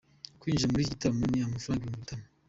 Kwinjira muri iki gitaramo ni amafaranga ibihumbi bitanu.